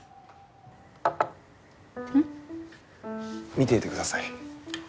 見ていてください。